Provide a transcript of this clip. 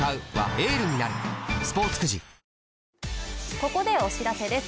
ここでお知らせです。